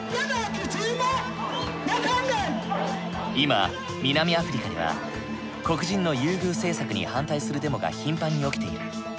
今南アフリカでは黒人の優遇政策に反対するデモが頻繁に起きている。